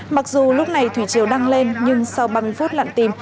mặc dù lúc này thủy chiều đang lên nhưng sau băng phút lặn tim